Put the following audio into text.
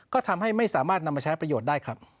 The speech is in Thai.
ก็ทำให้ไม่สามารถนำมาใช้ประโยชน์ได้ครับ